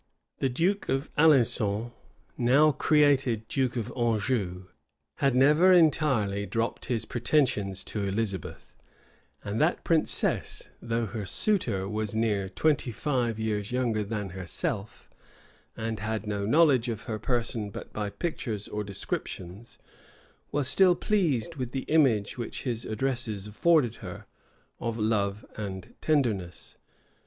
The duke of Alençon, now created duke of Anjou, had never entirely dropped his pretensions to Elizabeth; and that princess, though her suitor was near twenty five years younger than herself, and had no knowledge of her person but by pictures or descriptions, was still pleased with the image, which his addresses afforded her, of love and tenderness.